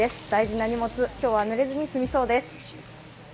大事な荷物、今日はぬれずに済みそうです。